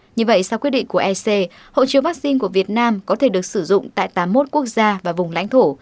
như vậy sau quyết định của ec hộ chiếu vaccine của việt nam có thể được sử dụng tại tám mươi một quốc gia và vùng lãnh thổ